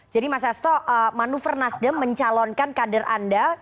jadi mas asto manufer nasdem mencalonkan kader anda